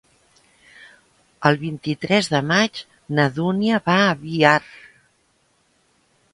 El vint-i-tres de maig na Dúnia va a Biar.